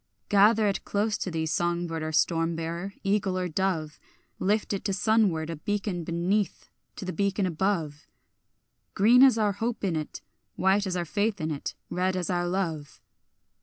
Gather it close to thee, song bird or storm bearer, eagle or dove, Lift it to sunward, a beacon beneath to the beacon above, Green as our hope in it, white as our faith in it, red as our love.